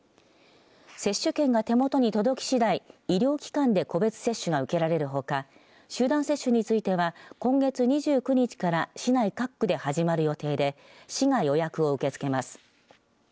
接種券が手元に届き次第医療機関で個別接種が受けられるほか集団接種については今月２９日から市内各区で始まる予定で市が予約を受け付けます。